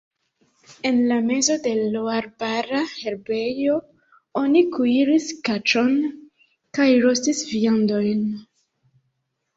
En la mezo de l' arbara herbejo oni kuiris kaĉon kaj rostis viandon.